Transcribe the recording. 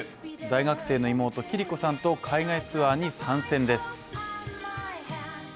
大学生の妹、暉璃子さんと海外ツアーに参戦です。